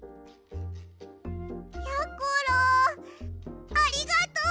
やころありがとう！